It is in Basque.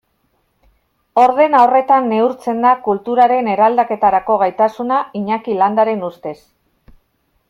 Ordena horretan neurtzen da kulturaren eraldaketarako gaitasuna Iñaki Landaren ustez.